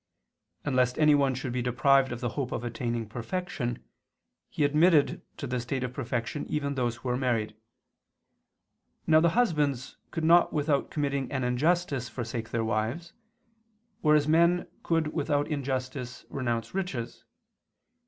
And lest anyone should be deprived of the hope of attaining perfection, he admitted to the state of perfection those even who were married. Now the husbands could not without committing an injustice forsake their wives, whereas men could without injustice renounce riches.